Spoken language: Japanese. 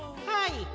はい。